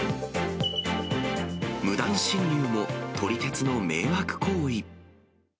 無断侵入も、撮り鉄の迷惑行為。